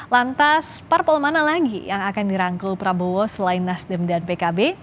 lantas parpol mana lagi yang akan dirangkul prabowo selain nasdem dan pkb